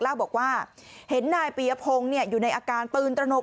เล่าบอกว่าเห็นนายปียพงศ์อยู่ในอาการตื่นตระหนก